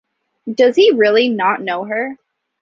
Does he really not know her.